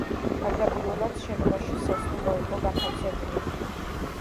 თავდაპირველად შენობაში სასტუმრო იყო განთავსებული.